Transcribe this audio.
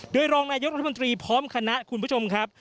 โดยรองนายกรัฐมนตรีพร้อมคณะคุณผู้ชมครับ